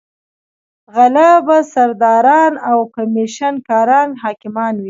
غله به سرداران او کمېشن کاران حاکمان وي.